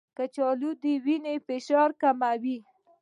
کچالو د وینې فشار کموي.